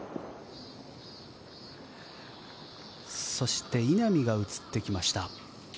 そして稲見が映ってきました。